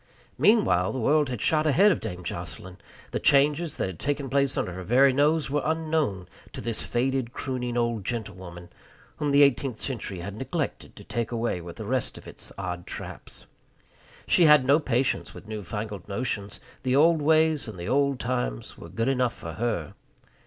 Meanwhile the world had shot ahead of Dame Jocelyn. The changes that had taken place under her very nose were unknown to this faded, crooning old gentlewoman, whom the eighteenth century had neglected to take away with the rest of its odd traps. She had no patience with newfangled notions. The old ways and the old times were good enough for her.